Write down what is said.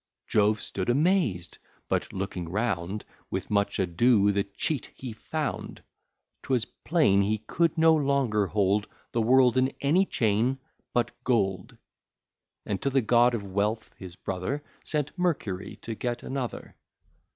Jove stood amazed; but looking round, With much ado the cheat he found; 'Twas plain he could no longer hold The world in any chain but gold; And to the god of wealth, his brother, Sent Mercury to get another.